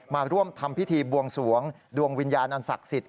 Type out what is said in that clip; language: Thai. มาร่วมทำพิธีบวงสวงดวงวิญญาณอันศักดิ์สิทธิ